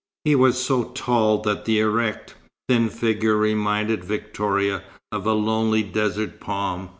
He was so tall that the erect, thin figure reminded Victoria of a lonely desert palm.